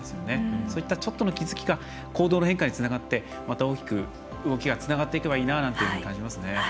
そういったちょっとの気付きが行動の変化につながって大きく動きがつながったらいいなって感じますよね。